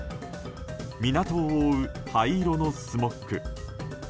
港を覆う灰色のスモッグ。